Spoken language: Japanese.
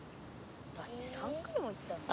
だって３回も行ったのに。